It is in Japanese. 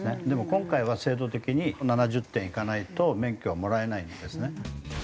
でも今回は制度的に７０点いかないと免許はもらえないんですね。